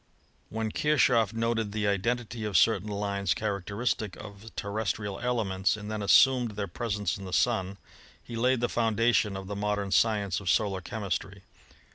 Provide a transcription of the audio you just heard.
When Kirchoff noted the identity of certain lines char acteristic of terrestrial elements, and then assumed their presence in the Sun, he laid the foundation of the modern science of solar chemistry.